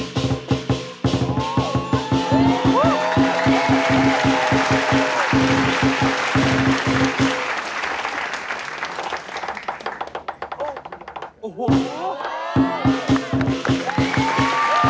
จะกับแล้วหรือ